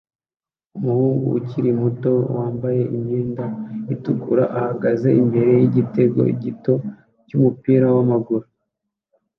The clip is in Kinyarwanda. Umuhungu ukiri muto wambaye imyenda itukura ahagaze imbere yigitego gito cyumupira wamaguru